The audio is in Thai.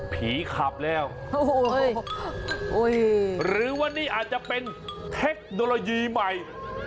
ขับแล้วหรือว่านี่อาจจะเป็นเทคโนโลยีใหม่